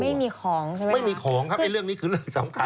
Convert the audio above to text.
ไม่มีของใช่ไหมไม่มีของครับไอ้เรื่องนี้คือเรื่องสำคัญ